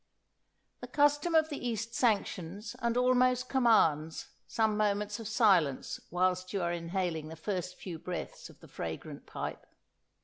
"The custom of the East sanctions, and almost commands, some moments of silence whilst you are inhaling the first few breaths of the fragrant pipe.